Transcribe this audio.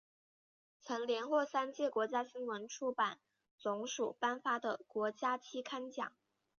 曾连获三届国家新闻出版总署颁发的国家期刊奖。